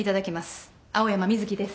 青山瑞希です。